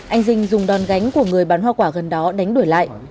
anh dinh dùng đòn gánh của người bán hoa quả gần đó đánh đuổi lại